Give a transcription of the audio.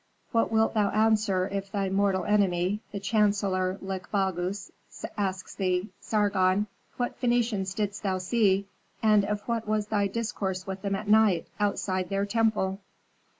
What wilt thou answer if thy mortal enemy, the chancellor Lik Bagus, asks thee, 'Sargon, what Phœnicians didst thou see, and of what was thy discourse with them at night, outside their temple?'"